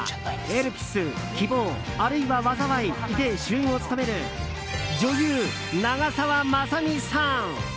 「エルピス‐希望、あるいは災い‐」で主演を務める女優・長澤まさみさん。